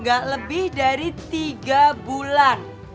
gak lebih dari tiga bulan